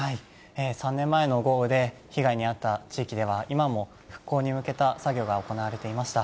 ３年前の豪雨で被害に遭った地域では、今も復興に向けた作業が行われていました。